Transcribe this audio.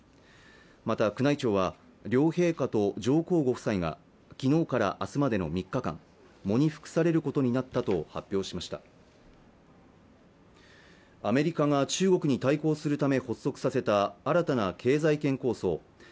また宮内庁は両陛下と上皇ご夫妻が昨日から明日までの３日間喪に服されることになったと発表しましたアメリカが中国に対抗するため発足させた新たな経済圏構想